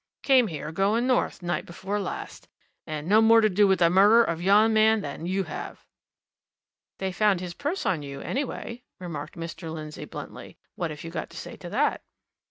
Came here, going north, night before last. And no more to do with the murder of yon man than you have!" "They found his purse on you, anyway," remarked Mr. Lindsey bluntly. "What have you got to say to that?"